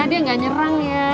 dia nggak nyerang ya